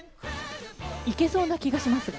いけそうな気がしますが。